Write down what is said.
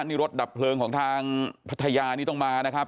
นี่รถดับเพลิงของทางพัทยานี่ต้องมานะครับ